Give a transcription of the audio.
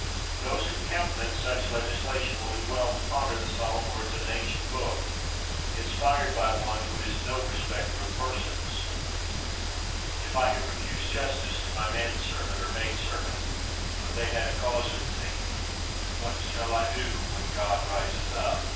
Those who countenance such legislation will do well to ponder the solemn words of an ancient book, inspired by One who is no respecter of persons: "If I have refused justice to my man servant or maid servant, When they had a cause with me, What shall I do when God riseth up?